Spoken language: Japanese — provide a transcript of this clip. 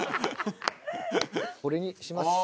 これにします。